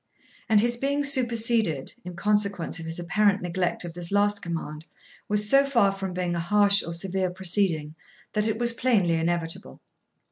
And his being superseded, in consequence of his apparent neglect of this last command, was so far from being a harsh or severe proceeding, that it was plainly inevitable.